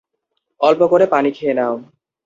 অল্প করে পানি খেয়ে নাও।